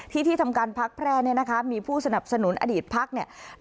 ที่ที่ทำการพักแพร่เนี่ยนะคะมีผู้สนับสนุนอดีตพักเนี่ย